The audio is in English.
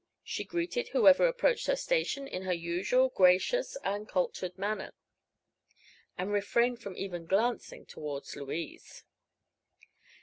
She greeted whoever approached her station in her usual gracious and cultured manner, and refrained from even glancing toward Louise.